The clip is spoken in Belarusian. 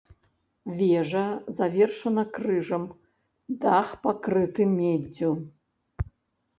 Вежа завершана крыжам, дах пакрыты меддзю.